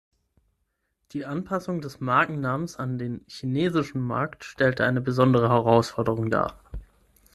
Die Anpassung des Markennamens an den chinesischen Markt stellte eine besondere Herausforderung dar.